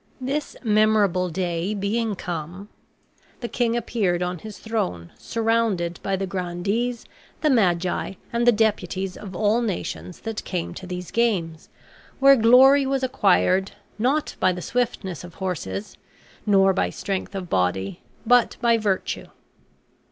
This memorable day being come, the king appeared on his throne, surrounded by the grandees, the magi, and the deputies of all nations that came to these games, where glory was acquired not by the swiftness of horses, nor by strength of body, but by virtue.